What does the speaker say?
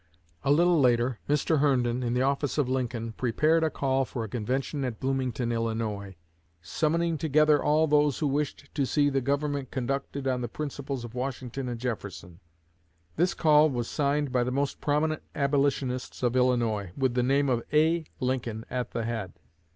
A little later, Mr. Herndon, in the office of Lincoln, prepared a call for a convention at Bloomington, Illinois, "summoning together all those who wished to see the government conducted on the principles of Washington and Jefferson." This call was signed by the most prominent Abolitionists of Illinois, with the name of A. LINCOLN at the head.